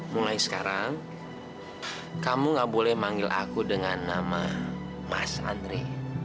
mulai sekarang kamu gak boleh manggil aku dengan nama mas andri